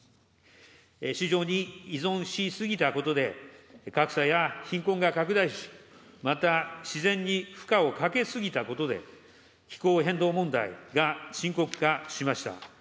市場に依存し過ぎたことで、格差や貧困が拡大し、また自然に負荷をかけ過ぎたことで、気候変動問題が深刻化しました。